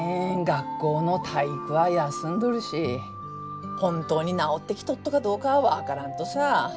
学校の体育は休んどるし本当に治ってきとっとかどうかは分からんとさ。